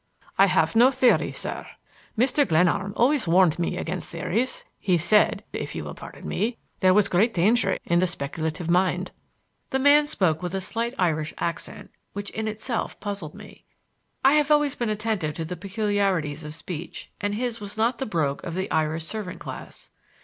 "I have no theory, sir. Mr. Glenarm always warned me against theories. He said—if you will pardon me— there was great danger in the speculative mind." The man spoke with a slight Irish accent, which in itself puzzled me. I have always been attentive to the peculiarities of speech, and his was not the brogue of the Irish servant class.